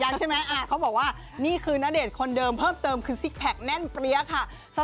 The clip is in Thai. ยังใช่มั้ยเขาบอกว่านี่คือน่าเดชน์คนเดิมเพิ่มเติมคือซิกส์แพ็กแน่นเปรี๊ยะค่ะ